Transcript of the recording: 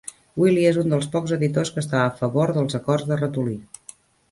Wily és un dels pocs editors que està a favor dels acords de ratolí.